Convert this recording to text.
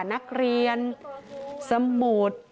นักเรียนสมุทร